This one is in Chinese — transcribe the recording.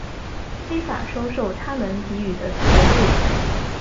非法收受他人给予的财物